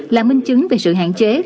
là minh chứng về sự hạn chế